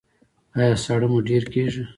ایا ساړه مو ډیر کیږي؟